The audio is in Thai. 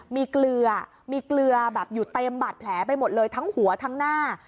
มีเกลือมีเกลือแบบอยู่เต็มบาดแผลไปหมดเลยทั้งหัวทั้งหน้า